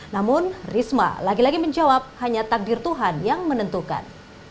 namun risma lagi lagi menjawab hanya takdir tuhan yang menentukan